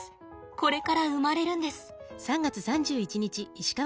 これから生まれるんです。